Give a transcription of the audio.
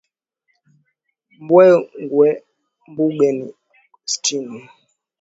Mbogwe mbunge ni Augustino Masele kupitia Chama cha mapinduzi